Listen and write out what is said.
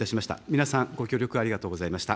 皆さん、ご協力ありがとうございました。